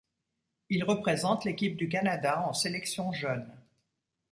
Il représente l'équipe du Canada en sélections jeunes.